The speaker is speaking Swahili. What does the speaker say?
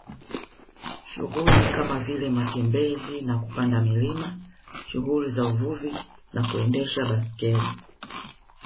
Shughuli kama vile matembezi na kupanda milima shughuli za uvuvi na kuendesha baiskeli